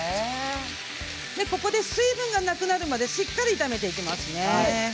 ここで水分がなくなるまでしっかりと炒めていきますね。